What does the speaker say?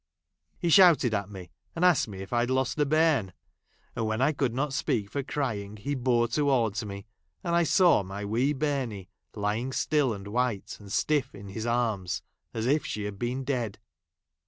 He : shouted to me, and asked me if I had lost a j bairn ; and, when I could not speak for ci ying, ' he bore towards me, and I saw my wee bairuie j lying still, and white, and stiff, in his arms, as if she had been dead.